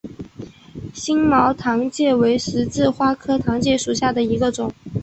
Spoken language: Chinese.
星毛糖芥为十字花科糖芥属下的一个种。